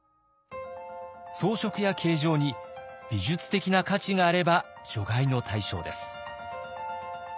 装飾や形状に美術的な価値があれば除外の対象です。